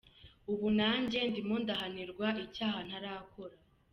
Ubu nanjye ndimo ndahanirwa icyaha ntarakora.